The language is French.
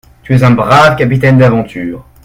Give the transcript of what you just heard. Tu es un brave capitaine d’aventure.